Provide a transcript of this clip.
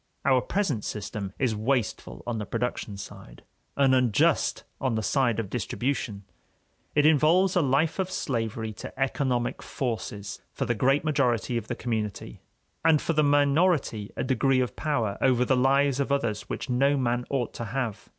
Our present system is wasteful on the production side, and unjust on the side of distribution. It involves a life of slavery to economic forces for the great majority of the community, and for the minority a degree of power over the lives of others which no man ought to have.